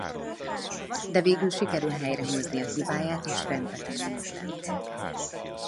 De végül sikerül helyrehozni a hibáját és rendbe tenni mindent.